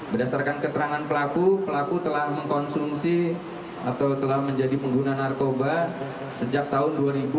berdasarkan keterangan pelaku pelaku telah mengkonsumsi atau telah menjadi pengguna narkoba sejak tahun dua ribu dua